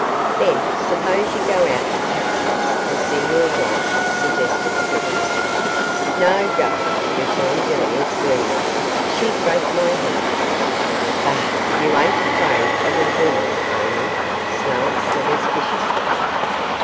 'Then, suppose you go out to the Pactolus and see your wife,' suggested Slivers. 'No go,' returned Villiers, gloomily, 'she'd break my head.' 'Bah! you ain't afraid of a woman, are you?' snarled Slivers, viciously.